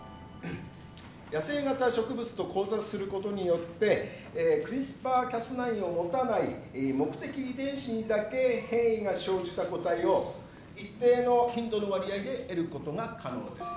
野生型植物と交雑することによってＣＲＩＳＰＲ／Ｃａｓ９を持たない目的遺伝子にだけ変異が生じた個体を一定の頻度の割合で得ることが可能です。